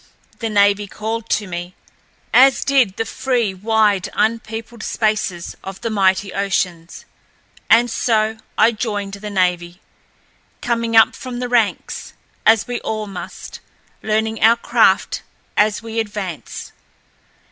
The navy called to me, as did the free, wide, unpeopled spaces of the mighty oceans. And so I joined the navy, coming up from the ranks, as we all must, learning our craft as we advance.